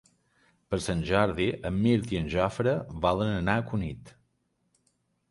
Per Sant Jordi en Mirt i en Jofre volen anar a Cunit.